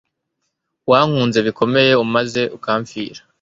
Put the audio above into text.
wankunze bikomeye maze ukampfira